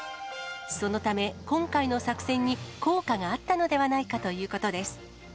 そのため、今回の作戦に効果があったのではないかということです。